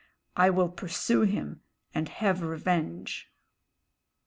I will pursue him and have revenge."